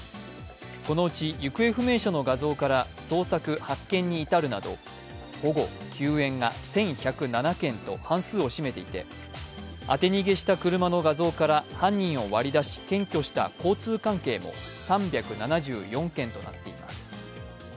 このうち行方不明者の画像から捜索・発見に至るなど保護・救援が１１０７件と半数を占めていて、当て逃げした車の画像から犯人を割り出し検挙した交通関係も３７４件となっています。